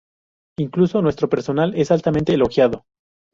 Incluso nuestro personal es altamente elogiado!